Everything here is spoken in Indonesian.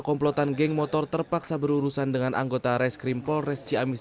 komplotan geng motor terpaksa berurusan dengan anggota reskrim polres ciamis